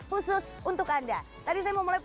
muncul di sebelah hooks